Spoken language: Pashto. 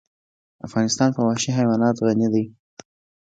افغانستان په وحشي حیوانات غني دی.